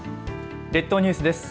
列島ニュースです。